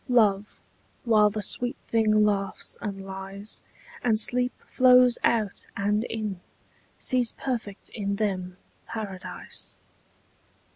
Love, while the sweet thing laughs and lies, And sleep flows out and in, Sees perfect in them Paradise.